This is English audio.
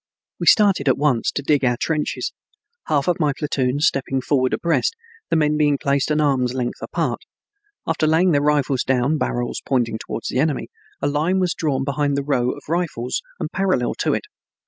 We started at once to dig our trenches, half of my platoon stepping forward abreast, the men being placed an arm's length apart. After laying their rifles down, barrels pointing to the enemy, a line was drawn behind the row of rifles and parallel to it.